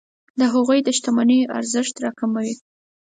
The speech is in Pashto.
د هغوی د شتمنیو ارزښت راکموي.